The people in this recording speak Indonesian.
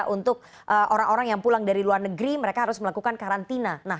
untuk orang orang yang pulang dari luar negeri mereka harus melakukan karantina